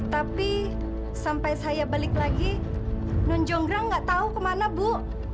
tapi sampai saya balik lagi non jonggrang nggak tahu kemana bu